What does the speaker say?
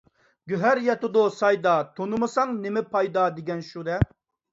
«گۆھەر ياتىدۇ سايدا، تونۇمىساڭ نېمە پايدا» دېگەن شۇ-دە.